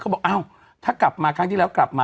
บอกอ้าวถ้ากลับมาครั้งที่แล้วกลับมา